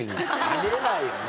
あり得ないよね。